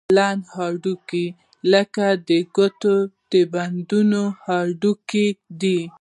لنډ هډوکي لکه د ګوتو د بندونو هډوکي دي.